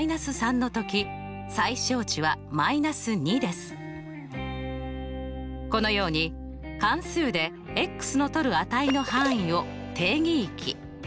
つまりこのように関数でのとる値の範囲を定義域。